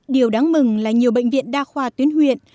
điều đáng mừng là nhiều bệnh viện đa khoa tuyến huyện